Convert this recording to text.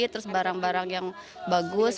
terus barang barang yang bagus